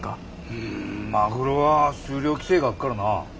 うんマグロは数量規制があっからなぁ。